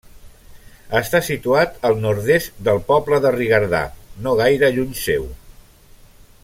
Està situat al nord-est del poble de Rigardà, no gaire lluny seu.